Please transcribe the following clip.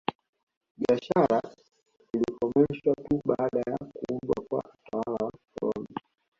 Biashara ilikomeshwa tu baada ya kuundwa kwa utawala wa kikoloni